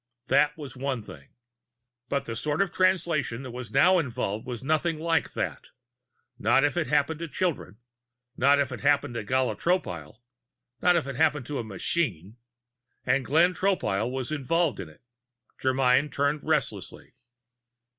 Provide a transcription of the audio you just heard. That was one thing. But the sort of Translation that was now involved was nothing like that not if it happened to children; not if it happened to Gala Tropile; not if it happened to a machine. And Glenn Tropile was involved in it. Germyn turned restlessly.